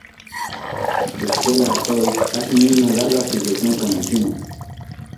Stella Artois ha tenido una larga asociación con el cine.